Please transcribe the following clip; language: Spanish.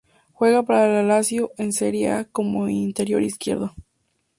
Juega para la Lazio en Serie A como Interior izquierdo.